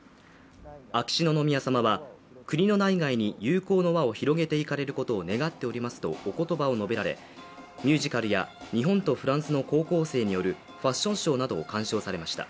秋篠宮さまは、国の内外に友好の輪を広げていかれることを願っておりますとおことばを述べられミュージカルや日本とフランスの高校生によるファッションショーなどを鑑賞されました。